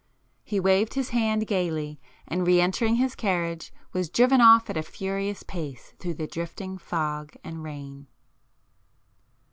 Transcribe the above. He waved his hand gaily, and re entering his carriage, was driven off at a furious pace through the drifting fog and rain.